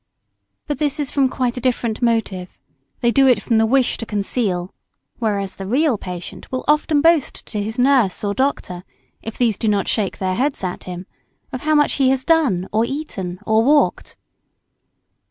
But this is from quite a different motive. They do it from the wish to conceal. Whereas the real patient will often boast to his nurse or doctor, if these do not shake their heads at him, of how much he has done, or eaten or walked.